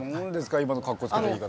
今の格好つけた言い方は。